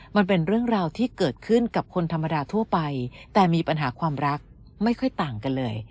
มันเป็นเรื่องราวที่เกิดขึ้นกับคนธรรมดาทั่วไปแต่มีปัญหาความรักไม่ค่อยต่างกันเลย